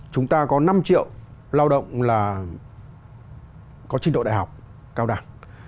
chúng ta có năm triệu lao động là có trình độ đại học cao đẳng